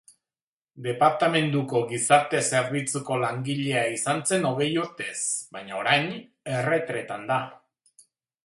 Departamenduko gizarte zerbitzuko langilea izan zen hogei urtez, baina orain erretretan da.